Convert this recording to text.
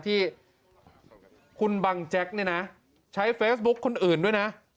ที่คุณบังแจ็คเนี่ยนะใช้เฟซบุ๊คคนอื่นด้วยนะ